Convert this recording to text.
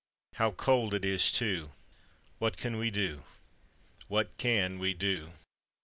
"How cold it is, too! What can we do? what can we do?"